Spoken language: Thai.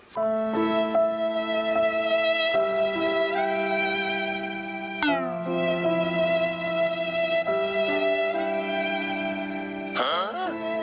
ไปกับบ้าน